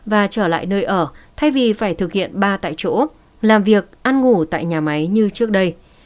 và trở lại nơi ở thay vì phải thực hiện ba tại chỗ làm việc ăn ngủ tại nhà máy như trước đây